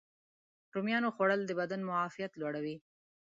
رومیانو خوړل د بدن معافیت لوړوي.